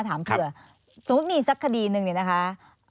สมมุติมีสักคดีหนึ่งนะคะ